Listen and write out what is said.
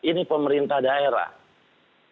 ini pemerintah daerah